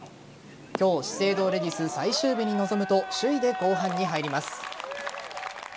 今日、資生堂レディス最終日に臨むと首位で後半に入ります。